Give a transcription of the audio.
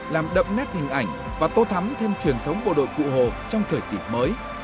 làm đậm nét hình ảnh và tô thắm thêm truyền thống bộ đội cụ hồ trong thời kỳ mới